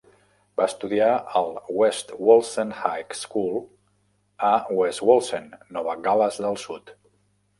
Va estudiar al West Wallsend High School a West Wallsend, Nova Gal·les del Sud.